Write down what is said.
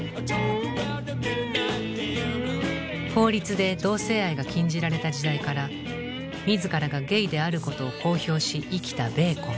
法律で同性愛が禁じられた時代から自らがゲイであることを公表し生きたベーコン。